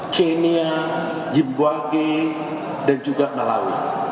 kenya jemboage dan juga malawi